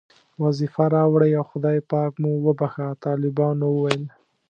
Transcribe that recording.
وظیفه راوړئ او خدای پاک مو وبښه، طالبانو وویل.